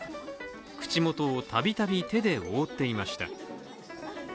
口元を度々手で覆っていました。